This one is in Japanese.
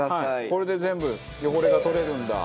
これで全部汚れが取れるんだ。